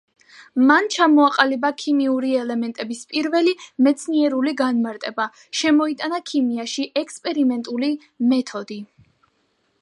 მან ჩამოაყალიბა ქიმიური ელემენტების პირველი მეცნიერული განმარტება, შემოიტანა ქიმიაში ექსპერიმენტული მეთოდი.